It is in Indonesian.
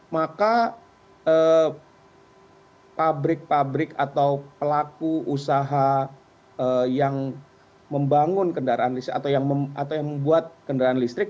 maka pabrik pabrik atau pelaku usaha yang membuat kendaraan listrik